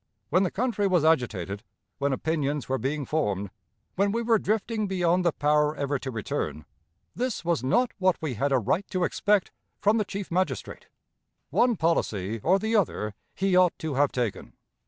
When the country was agitated, when opinions were being formed, when we were drifting beyond the power ever to return, this was not what we had a right to expect from the Chief Magistrate. One policy or the other he ought to have taken.